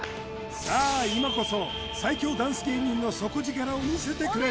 さあ今こそ最強ダンス芸人の底力を見せてくれ！